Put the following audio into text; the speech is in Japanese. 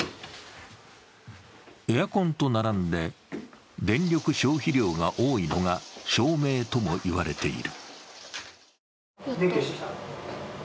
エアコンと並んで電力消費量が多いのが照明ともいわれている。